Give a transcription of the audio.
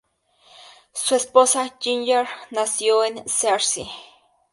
Su esposa, Ginger, nació en Searcy.